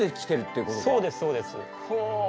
そうですそうです。はあ。